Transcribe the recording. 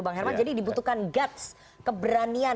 bang herman jadi dibutuhkan guts keberanian